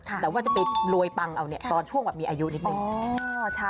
แต่ว่าจะไปรวยปังเอาเนี่ยตอนช่วงแบบมีอายุนิดนึง